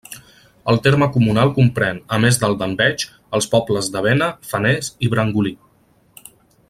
El terme comunal comprèn, a més del d'Enveig, els pobles de Bena, Feners i Brangolí.